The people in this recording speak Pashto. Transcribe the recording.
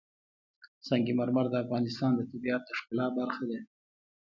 سنگ مرمر د افغانستان د طبیعت د ښکلا برخه ده.